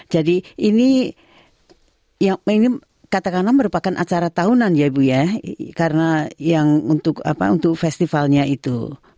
jadi ini katakanlah merupakan acara tahunan ya bu ya karena untuk festivalnya itu